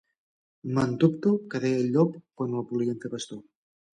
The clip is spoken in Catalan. Me'n dubto, que deia el llop quan el volien fer pastor.